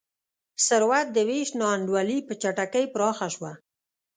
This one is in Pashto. ثروت د وېش نا انډولي په چټکۍ پراخه شوه.